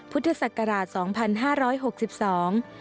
พุทธศักราชสองพันห้าร้อยหกสิบสอง